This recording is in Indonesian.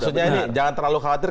maksudnya ini jangan terlalu khawatir